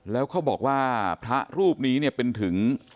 แล้วเขาบอกว่าพระรูปนี้เนี่ยเป็นถึง